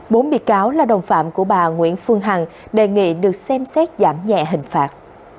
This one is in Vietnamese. bốn bị cáo là đồng phạm của bà nguyễn phương hằng đề nghị được xem xét giảm nhẹ hình phạt